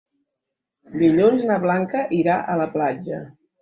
Dilluns na Blanca irà a la platja.